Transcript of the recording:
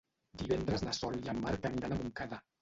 Divendres na Sol i en Marc aniran a Montcada.